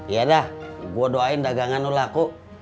ya dah gua doain dagangan lu laku